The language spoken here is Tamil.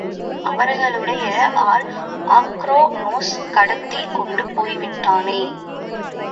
அவர்களுடைய ஆள் அக்ரோனோஸ் கடத்திக் கொண்டு போய்விட்டானே!